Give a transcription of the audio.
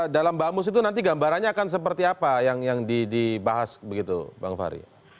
dalam bamus itu nanti gambarannya akan seperti apa yang dibahas begitu bang fahri